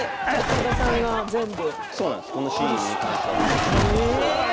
岡田さんが全部？